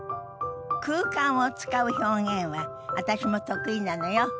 空間を使う表現は私も得意なのよ。